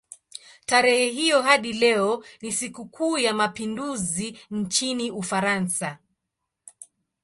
Tarehe hiyo hadi leo ni sikukuu ya mapinduzi nchini Ufaransa.